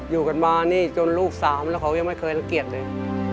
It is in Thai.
อยู่กันมานี่จนลูกสามแล้วเขายังไม่เคยรังเกียจเลย